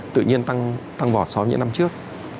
tự nhiên tăng vọt so với những năm trước